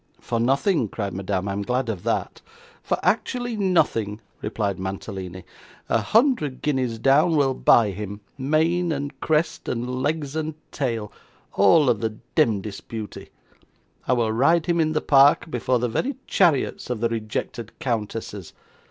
'For nothing,' cried Madame, 'I am glad of that.' 'For actually nothing,' replied Mantalini. 'A hundred guineas down will buy him; mane, and crest, and legs, and tail, all of the demdest beauty. I will ride him in the park before the very chariots of the rejected countesses.